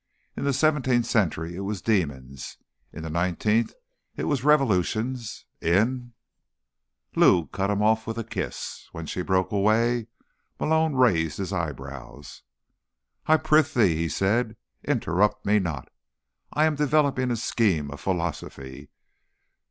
In the Seventeenth Century, it was demons. In the Nineteenth it was revolutions. In—" Lou cut him off with a kiss. When she broke away Malone raised his eyebrows. "I prithee," he said, "interrupt me not. I am developing a scheme of philosophy.